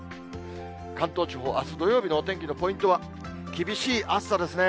関東地方、あす土曜日のお天気のポイントは、厳しい暑さですね。